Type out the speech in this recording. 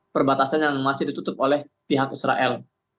perbatasan yang masih ditutup oleh pihak israel